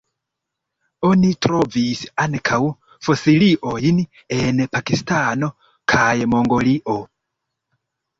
Oni trovis ankaŭ fosiliojn en Pakistano kaj Mongolio.